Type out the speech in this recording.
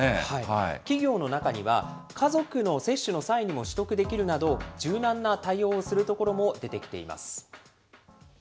企業の中には、家族の接種の際にも取得できるなど、柔軟な対応をするところも出てきています。